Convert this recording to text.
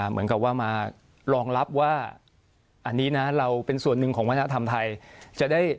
เหมือนกับว่ามารองรับว่าอันนี้นะเราเป็นส่วนหนึ่งของวัฒนธรรมไทยจะได้